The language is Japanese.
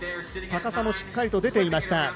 高さもしっかりと出ていました。